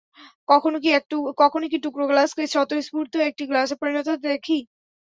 কখনো কি টুকরো গ্লাসকে স্বতঃস্ফূর্ত একটি গ্লাসে পরিণত হতে দেখি?